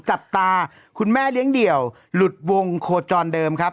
จับตาคุณแม่เลี้ยงเดี่ยวหลุดวงโคจรเดิมครับ